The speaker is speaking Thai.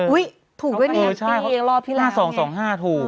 อุ๊ยถูกไหมนี่ปีอีกรอบที่แล้วไง๕๒๒๕ถูก